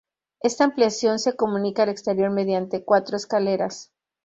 Esta ampliación se comunica al exterior mediante cuatro escaleras.